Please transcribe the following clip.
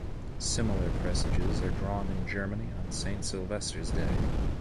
Similar presages are drawn in Germany on Saint Sylvester‘s day.